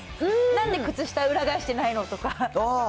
なんで靴下裏返してないのとか。